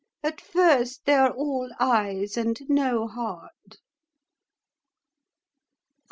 At first they are all eyes and no heart."